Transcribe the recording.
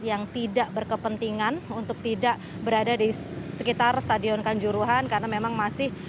yang tidak berkepentingan untuk tidak berada di sekitar stadion kanjuruhan karena memang masih